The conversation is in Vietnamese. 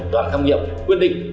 đoàn khám nghiệp quyết định